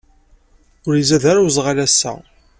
Ur izad ara uẓɣal ass-a.